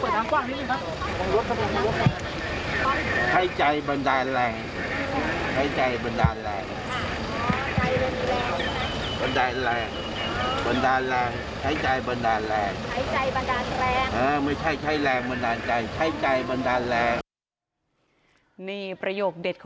นี่ประโยคเด็ดของวันนี้นะครับ